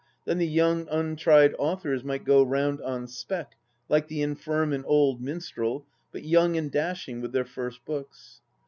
... Then the young untried authors might go round on spec, like the infirm and old minstrel, but young and dashing, with their first books.